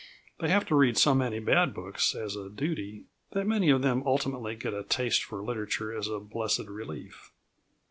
They have to read so many bad books as a duty, that many of them ultimately get a taste for literature as a blessed relief.